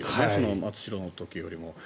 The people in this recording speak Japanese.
松代の時よりも。